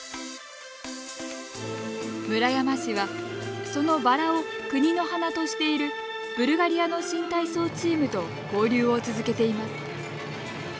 村山市はそのバラを国の花としているブルガリアの新体操チームと交流を続けています。